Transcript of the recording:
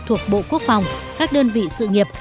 thuộc bộ quốc phòng các đơn vị sự nghiệp